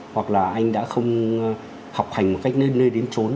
hoặc là anh đã không học hành một cách nơi đến trốn